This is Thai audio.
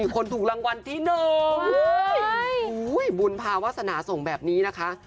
คนถูกรางวัลที่หนึ่งบุญพาวาสนาสงค์แบบนี้นะคะ